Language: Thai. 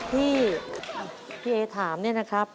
ที่พี่เอ๋ถามเนี่ยนะครับ